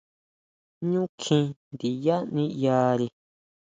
ʼÑu kjín ndiyá niʼyari.